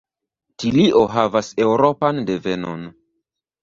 Tilio havas Eŭropan devenon.